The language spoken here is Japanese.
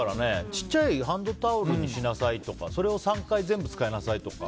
小さいハンドタオルにしなさいとかそれを３回全部使いなさいとか。